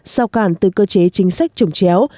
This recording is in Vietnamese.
sao cản từ cơ chế chính sách trùng chéo